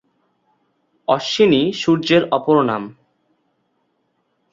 অশ্বিনী সূর্যের অপর নাম।